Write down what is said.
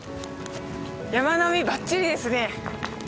山並みばっちりですね。